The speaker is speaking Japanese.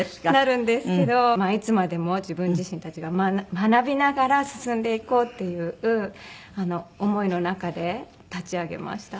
まあいつまでも自分自身たちが学びながら進んでいこうっていう思いの中で立ち上げました。